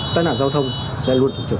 tất nạn giao thông sẽ luôn trụ trực